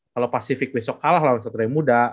kalo pasifik besok kalah lawan satria muda